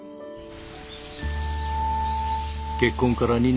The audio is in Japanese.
結婚から２年。